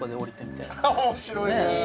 面白いねえ。